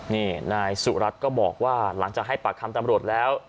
นี่นายสุรัตน์ก็บอกว่าหลังจากให้ปากคำตำรวจแล้ว